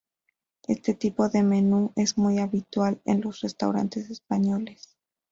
Este tipo de menú es muy habitual en los restaurantes españoles.